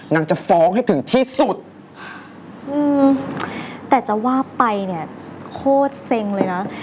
จะฟ้องให้ถึงที่สุดอืมแต่จะว่าไปเนี่ยโคตรเซ็งเลยนะ